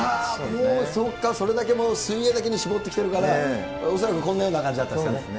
そうか、それだけ、水泳だけに絞ってきてるから、恐らくこんなような感じそうですね。